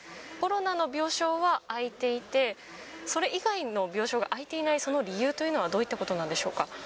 コロナの病床は空いていて、それ以外の病床が空いていないその理由というのはどういったことなんでしょうか。